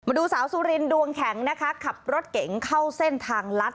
ดูสาวสุรินดวงแข็งนะคะขับรถเก๋งเข้าเส้นทางลัด